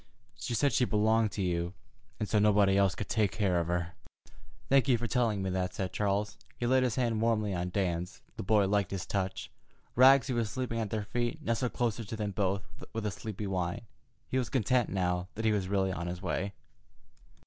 She said she belonged to you, and so nobody else could take care of her." "Thank you for telling me that," said Charles. He laid his hand warmly on Dan's. The boy liked his touch. Rags, who was sleeping at their feet, nestled closer to them both with a sleepy whine. He was content now that he was really on his way.